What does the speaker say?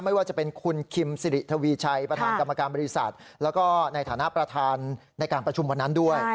ไม่ว่าจะเป็นคุณคิมสิริทวีชัยประธานกรรมการบริษัทแล้วก็ในฐานะประธานในการประชุมวันนั้นด้วย